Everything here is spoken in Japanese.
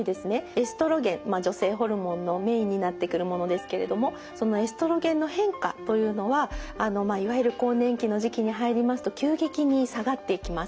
エストロゲン女性ホルモンのメインになってくるものですけれどもそのエストロゲンの変化というのはいわゆる更年期の時期に入りますと急激に下がっていきます。